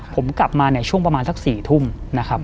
ผมกลับมาเนี่ยช่วงประมาณสัก๔ทุ่มนะครับ